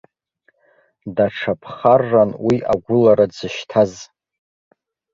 Даҽа ԥхарран уи агәылара дзышьҭаз.